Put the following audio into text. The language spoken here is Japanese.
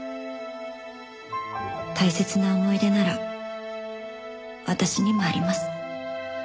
「大切な思い出なら私にもあります」